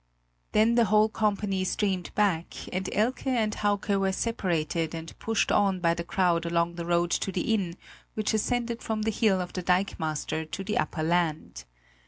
Then the whole company streamed back and Elke and Hauke were separated and pushed on by the crowd along the road to the inn which ascended from the hill of the dikemaster to the upper land.